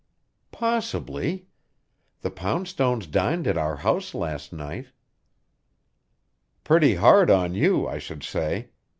"Possibly. The Poundstones dined at our house last night." "Pretty hard on you, I should say.